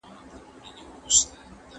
سوله د ټولني اړتیا ده.